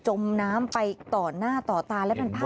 จมน้ำไปต่อหน้าต่อตาแล้วเป็นพักติดตา